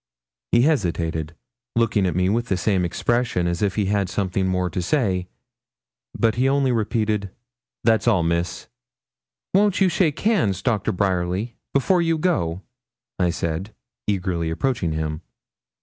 He hesitated, looking at me with the same expression as if he had something more to say; but he only repeated 'That's all, Miss.' 'Won't you shake hands, Doctor Bryerly, before you go?' I said, eagerly approaching him.